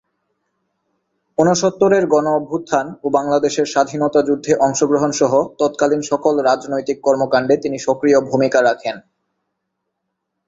ঊনসত্তরের গণ-অভ্যুত্থান ও বাংলাদেশের স্বাধীনতা যুদ্ধে অংশগ্রহণসহ তৎকালীন সকল রাজনৈতিক কর্মকাণ্ডে তিনি সক্রিয় ভূমিকা রাখেন।